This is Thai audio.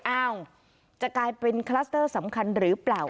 อ้าวจะกลายเป็นคลัสเตอร์สำคัญหรือเปล่า